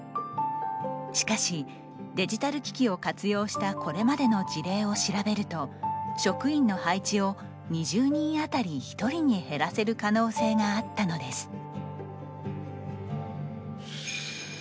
しかしデジタル機器を活用したこれまでの事例を調べると職員の配置を２０人当たり１人に減らせる可能性があったのです。